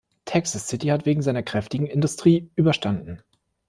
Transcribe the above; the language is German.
Texas City hat wegen seiner kräftigen Industrie überstanden.